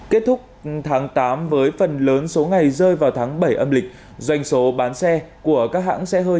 kết thúc tháng tám với phần lớn số ngày rơi vào tháng bảy âm lịch doanh số bán xe của các hãng sẽ hơn